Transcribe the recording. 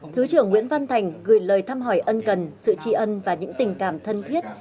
thứ trưởng nguyễn văn thành gửi lời thăm hỏi ân cần sự tri ân và những tình cảm thân thiết